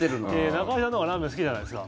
中居さんとかラーメン好きじゃないですか。